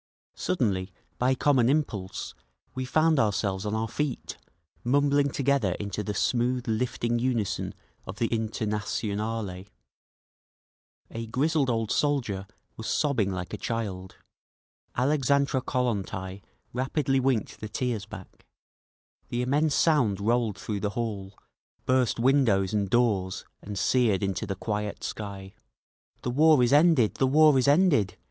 Suddenly, by common impulse, we found ourselves on our feet, mumbling together into the smooth lifting unison of the Internationale. A grizzled old soldier was sobbing like a child. Alexandra Kollontai rapidly winked the tears back. The immense sound rolled through the hall, burst windows and doors and seared into the quiet sky. "The war is ended! The war is ended!"